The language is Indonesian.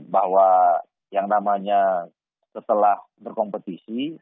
bahwa yang namanya setelah berkompetisi